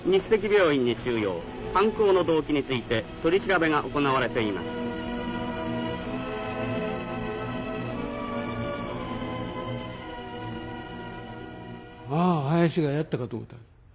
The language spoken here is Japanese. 犯行の動機について取り調べが行われていますああ林がやったかと思った。